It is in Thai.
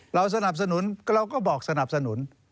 เราสนับสนุนเราก็บอกสนับสนุน